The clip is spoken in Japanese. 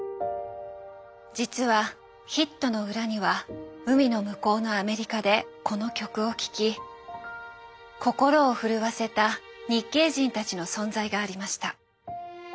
実はヒットの裏には海の向こうのアメリカでこの曲を聴き心を震わせた日系人たちの存在がありました。